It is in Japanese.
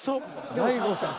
大悟さん